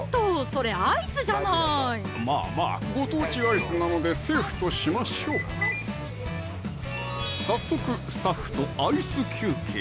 それアイスじゃないまぁまぁご当地アイスなのでセーフとしましょう早速スタッフとアイス休憩